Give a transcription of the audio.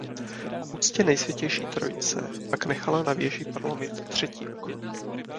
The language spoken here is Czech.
K úctě Nejsvětější Trojice pak nechala ve věži prolomit třetí okno.